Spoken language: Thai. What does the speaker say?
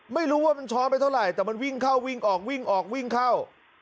ไม่รู้ว่ามันช้อนไปเท่าไหร่แต่มันวิ่งเข้าวิ่งออกวิ่งออกวิ่งเข้า